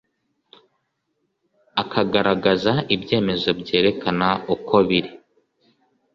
Akagaragaza ibyemezo byerekana uko biri